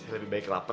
lebih baik kelaparan